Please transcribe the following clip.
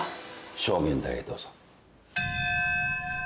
証言台へどうぞ。